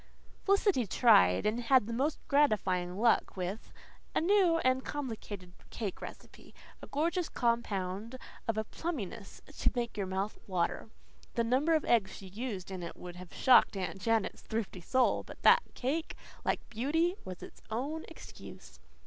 Felicity tried and had the most gratifying luck with a new and complicated cake recipe a gorgeous compound of a plumminess to make your mouth water. The number of eggs she used in it would have shocked Aunt Janet's thrifty soul, but that cake, like beauty, was its own excuse.